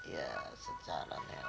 ya secara nelan